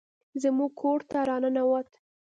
زموږ کور ته راننوت